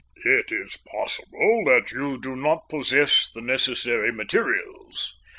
It is possible that you do not possess the necessary materials.